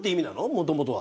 もともとは。